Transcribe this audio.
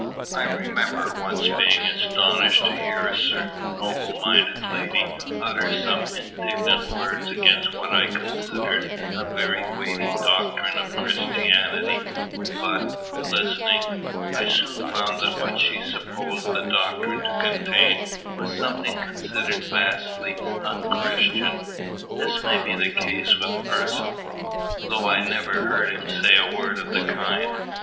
I remember once being astonished to hear a certain noble minded lady utter some indignant words against what I considered a very weighty doctrine of Christianity; but, listening, I soon found that what she supposed the doctrine to contain was something considered vastly unchristian. This may be the case with Percivale, though I never heard him say a word of the kind.